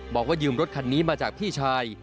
บอกว่ายืมรถคันนี้มาจากพี่ชาย